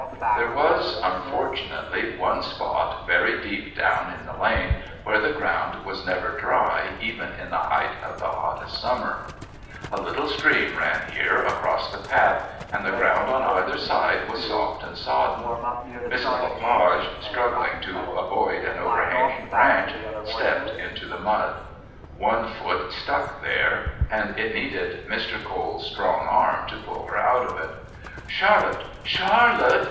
There was, unfortunately, one spot very deep down in the lane where the ground was never dry even in the height of the hottest summer. A little stream ran here across the path, and the ground on either side was soft and sodden. Mrs. Le Page, struggling to avoid an overhanging branch, stepped into the mud; one foot stuck there, and it needed Mr. Cole's strong arm to pull her out of it. "Charlotte! Charlotte!"